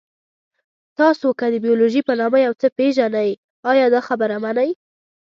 تاسو که د بیولوژي په نامه یو څه پېژنئ، ایا دا خبره منئ؟